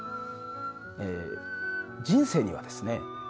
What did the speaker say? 人生にはですね